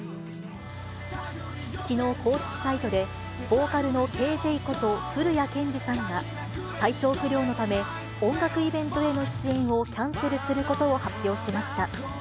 きのう、公式サイトで、ボーカルのＫｊこと、降谷建志さんが、体調不良のため、音楽イベントへの出演をキャンセルすることを発表しました。